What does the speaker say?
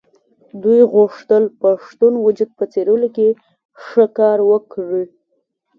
دوی غوښتل پښتون وجود په څېرلو کې ښه کار وکړي.